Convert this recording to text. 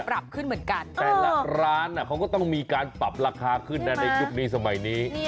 แต่ละร้านเขาก็ต้องมีการปรับราคาขึ้นในยุคนี้สมัยนี้